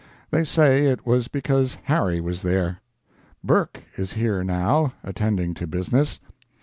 They say it was because Harry was there. Burke is here, now, attending to business.